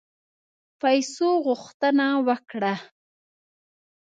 پیسو غوښتنه وکړه.